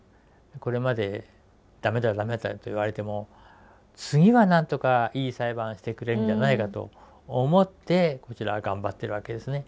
これまで駄目だ駄目だと言われても次は何とかいい裁判してくれるんじゃないかと思ってこちらは頑張ってるわけですね。